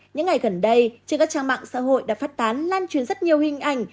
những ngày gần đây trên các trang mạng xã hội đã phát tán lan truyền rất nhiều hình ảnh